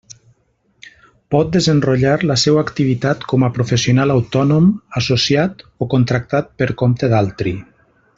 Pot desenrotllar la seua activitat com a professional autònom, associat o contractat per compte d'altri.